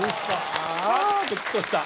ああドキッとした。